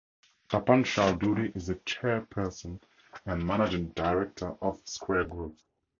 Tapan Chowdhury is the Chairperson and Managing Director of Square Group.